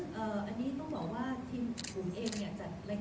ซึ่งอันนี้ต้องบอกว่าทีมบุ๋มเองเนี่ยจัดรายการแบบนี้อยู่